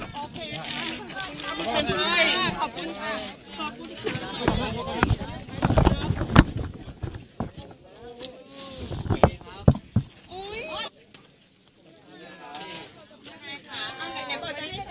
สวัสดีครับ